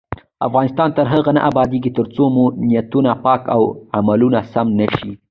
افغانستان تر هغو نه ابادیږي، ترڅو مو نیتونه پاک او عملونه سم نشي.